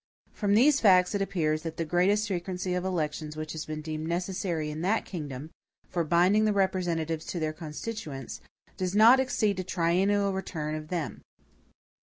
From these facts it appears that the greatest frequency of elections which has been deemed necessary in that kingdom, for binding the representatives to their constituents, does not exceed a triennial return of them.